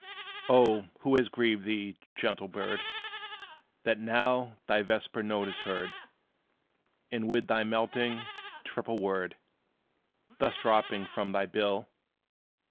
O who has grieved thee, gentle bird, That now thy vesper note is heard And with thy melting, triple word Thus dropping from thy bill?